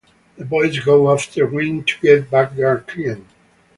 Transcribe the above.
The boys go after Wing to get back their client.